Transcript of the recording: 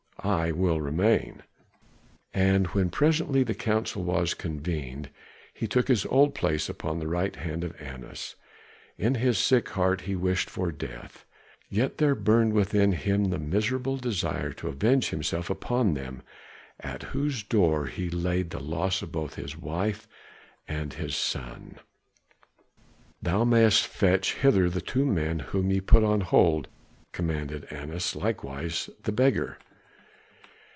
"I will remain." And when presently the council was convened, he took his old place upon the right hand of Annas. In his sick heart he wished for death, yet there burned within him the miserable desire to avenge himself upon them at whose door he laid the loss of both his wife and his son. "Thou mayest fetch hither the two men whom ye put in hold," commanded Annas, "likewise the beggar."